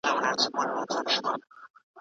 د هېواد دیپلوماتان په ټولو برخو کي روزل سوي نه دي.